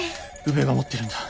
宇部が持ってるんだ。